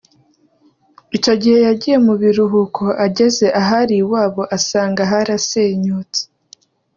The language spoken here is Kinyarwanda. Icyo gihe yagiye mu biruhuko ageze ahari iwabo asanga harasenyutse